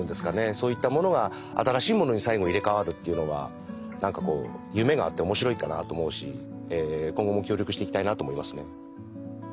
そういったものが新しいものに最後入れ代わるっていうのは何かこう夢があって面白いかなと思うし今後も協力していきたいなと思いますね。